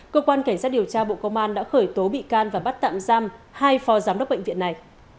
cơ quan cảnh sát điều tra bộ công an đã khởi tố bị can và bắt tạm giam hai phò giám đốc bệnh viện này